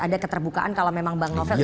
ada keterbukaan kalau memang bang novel